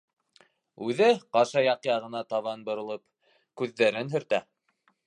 Үҙе, ҡашаяҡ яғына табан боролоп, күҙҙәрен һөртә.